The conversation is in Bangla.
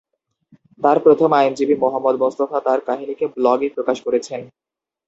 তার প্রথম আইনজীবী মোহাম্মদ মোস্তফা তার কাহিনীকে ব্লগে প্রকাশ করেছেন।